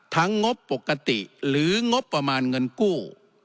งบปกติหรืองบประมาณเงินกู้